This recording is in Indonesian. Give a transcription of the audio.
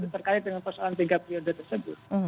terkait dengan persoalan tiga periode tersebut